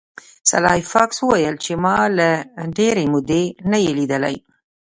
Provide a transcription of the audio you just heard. سلای فاکس وویل چې ما له ډیرې مودې نه یې لیدلی